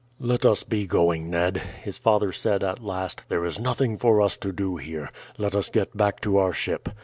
"Let us be going, Ned," his father said at last; "there is nothing for us to do here, let us get back to our ship.